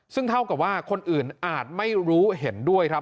ซึ่งเท่ากับว่าคนอื่นอาจไม่รู้เห็นด้วยครับ